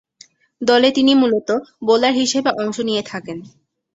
দলে তিনি মূলতঃ বোলার হিসেবে অংশ নিয়ে থাকেন।